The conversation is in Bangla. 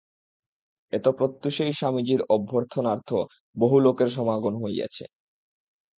এত প্রত্যূষেই স্বামীজীর অভ্যর্থনার্থ বহু লোকের সমাগম হইয়াছে।